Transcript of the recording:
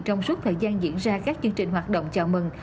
trong suốt thời gian diễn ra các chương trình hoạt động chào mừng